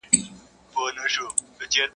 زه ولاړ یم پر ساحل باندي زنګېږم.